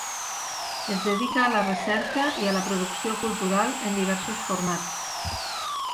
Es dedica a la recerca i a la producció cultural en diversos formats.